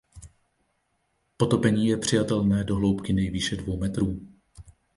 Potopení je přijatelné do hloubky nejvýše dvou metrů.